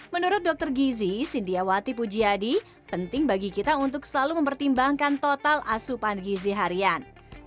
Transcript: menurut dokter gizi sindiawati pujiadi penting bagi kita untuk selalu mempertimbangkan total asupan gizi harian